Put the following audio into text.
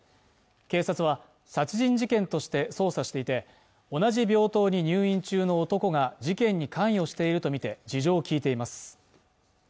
警察は殺人事件として捜査していて同じ病棟に入院中の男が事件に関与しているとみて事情を聞いています